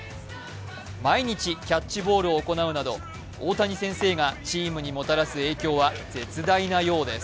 毎日キャッチボールを行うなど大谷先生がチームにもたらす影響は絶大なようです。